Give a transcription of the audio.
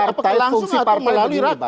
apakah langsung atau melalui rapat